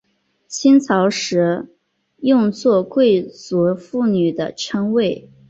清朝时用作贵族妇女的称谓。